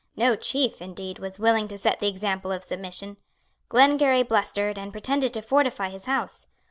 No chief, indeed, was willing to set the example of submission. Glengarry blustered, and pretended to fortify his house.